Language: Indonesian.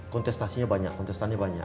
kontestasinya banyak kontestannya banyak